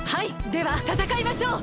ではたたかいましょう！